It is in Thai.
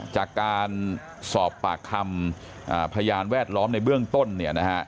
จากการสอบปากคำพยานแวดล้อมในเบื้องต้นเนี่ยนะฮะ